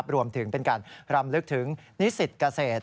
รวมถึงเป็นการรำลึกถึงนิสิตเกษตร